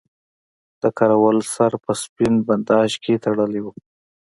د کراول سر په سپین بنداژ کې تړلی وو.